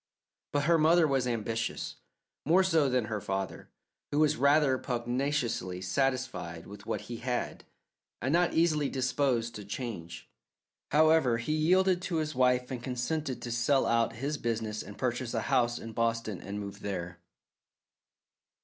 But her mother was ambitious, more so than her father, who was rather pugnaciously satisfied with what he had, and not easily disposed to change. However, he yielded to his wife and consented to sell out his business and purchase a house in Boston and move there.